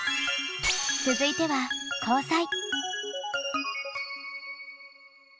続いては交際。